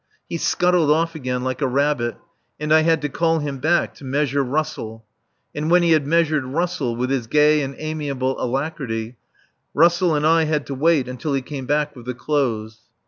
He scuttled off again like a rabbit, and I had to call him back to measure Russell. And when he had measured Russell, with his gay and amiable alacrity, Russell and I had to wait until he came back with the clothes.